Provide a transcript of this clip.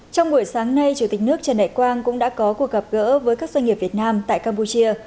trong buổi sáng nay chủ tịch nước trần đại quang cũng đã có cuộc gặp gỡ với các doanh nghiệp việt nam tại campuchia